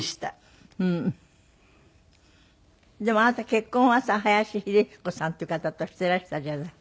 でもあなた結婚はさ林秀彦さんっていう方としてらしたじゃない？